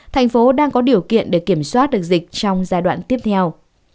thành phố đang có điều kiện để kiểm soát được dịch trong giai đoạn tiếp theo